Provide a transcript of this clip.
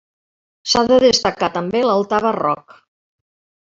S'ha de destacar també l'altar barroc.